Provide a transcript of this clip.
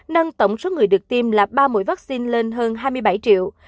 nâng tổng số người được tiêm là ba mũi vaccine lên hơn hai mươi bảy triệu